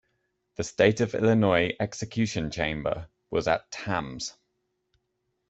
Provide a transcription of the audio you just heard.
The State of Illinois execution chamber was at Tamms.